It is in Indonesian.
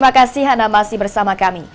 terima kasih hana masih bersama kami